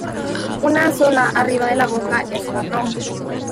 Una zona arriba de la boca es marrón.